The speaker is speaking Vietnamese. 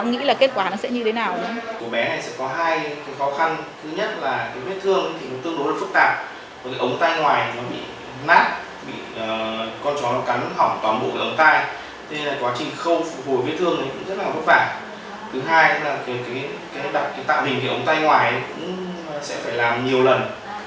thứ hai là cái tạp hình thì ống tay ngoài cũng sẽ phải làm nhiều lần